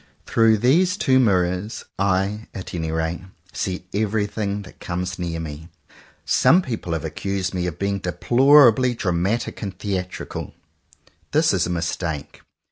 Through these two mirrors, I, at any rate, see everything that comes near me. Some people have accused me of being deplorably dramatic and theatrical. This is a mistake.